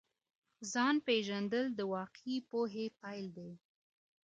ځان پیژندل د واقعي پوهي پیل دی.